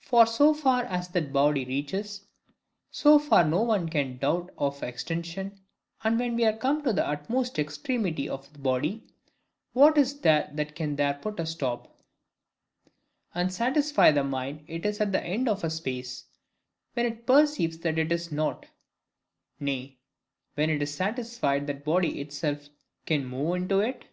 For so far as that body reaches, so far no one can doubt of extension; and when we are come to the utmost extremity of body, what is there that can there put a stop, and satisfy the mind that it is at the end of space, when it perceives that it is not; nay, when it is satisfied that body itself can move into it?